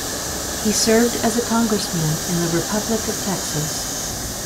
He served as a congressman in the Republic of Texas.